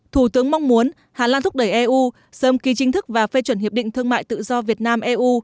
thủ tướng mong muốn hà lan thúc đẩy eu sớm ký chính thức và phê chuẩn hiệp định thương mại tự do việt nam eu